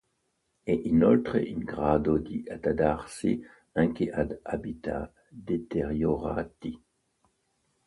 È inoltre in grado di adattarsi anche ad "habitat" deteriorati.